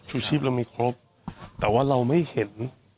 ทุกความเร็ว